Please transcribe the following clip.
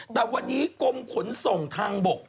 แต่วันนี้กรมขนส่งทางบก